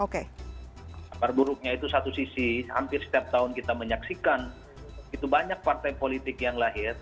kabar buruknya itu satu sisi hampir setiap tahun kita menyaksikan itu banyak partai politik yang lahir